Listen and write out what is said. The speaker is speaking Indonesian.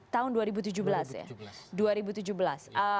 tahun dua ribu tujuh belas ya